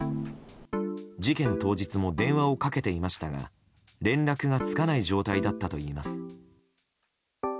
事件当日も電話をかけていましたが連絡がつかない状態だったといいます。